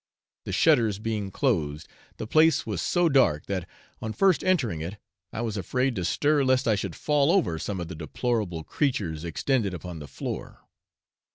The shutters being closed, the place was so dark that, on first entering it, I was afraid to stir lest I should fall over some of the deplorable creatures extended upon the floor.